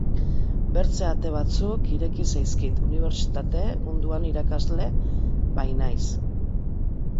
Bertze ate batzuk ireki zaizkit, unibertsitate munduan erakasle bainaiz.